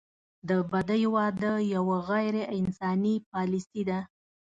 د بدۍ واده یوه غیر انساني پالیسي ده.